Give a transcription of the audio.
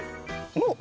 おっ。